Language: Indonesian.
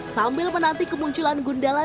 sambil menanti kemunculan gundala